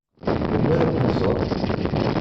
Melmi ad ken-iẓeṛ?